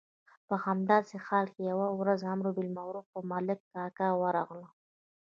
په همداسې حالت کې یوه ورځ امر بالمعروف پر ملک کاکا ورغلل.